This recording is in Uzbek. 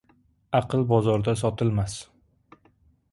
• Aql bozorda sotilmas.